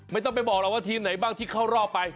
ไม่ต้องไปบอกหรอกว่าทีมไหนบ้างที่เข้ารอบไป